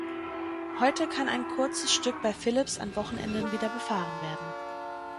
Heute kann ein kurzes Stück bei Phillips an Wochenenden wieder befahren werden.